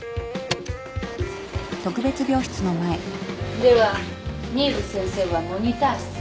では新琉先生はモニター室で。